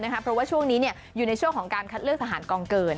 เพราะว่าช่วงนี้อยู่ในช่วงของการคัดเลือกทหารกองเกิน